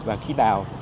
và khi nào